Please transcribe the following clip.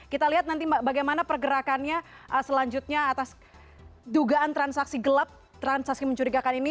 kita lihat nanti bagaimana pergerakannya selanjutnya atas dugaan transaksi gelap transaksi mencurigakan ini